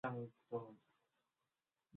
তোমার রোগ হয়েছে, তো এবার বুঝেছ না?